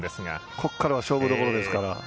ここから勝負どころです。